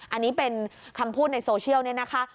อันนี้เป็นคำพูดในโซเชียลเนี่ยนะคะ